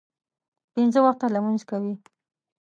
پنځه وخته لمونځ کوي.